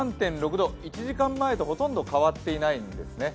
１時間前とほとんど変わっていないんですね。